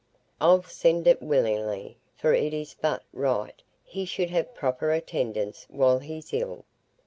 I'll send it willingly; for it is but right he should have proper attendance while he's ill."